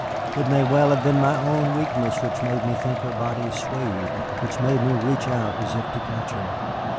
It may well have been my own weakness which made me think her body swayed, which made me reach out as if to catch her.